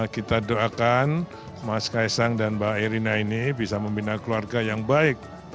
kita doakan mas kaisang dan mbak erina ini bisa membina keluarga yang baik